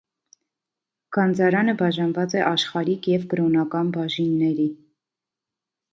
Գանձարանը բաժանված է աշխարհիկ և կրոնական բաժինների։